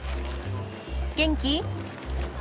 元気？